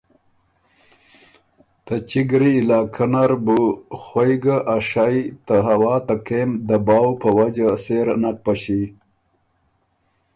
ته چِګ ګری علاقۀ نر بُو خوَئ ګه ا شئ ته هوا ته کېم دباؤ په وجه سېره نک پݭی